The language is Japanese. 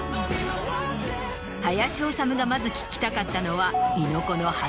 林修がまず聞きたかったのは。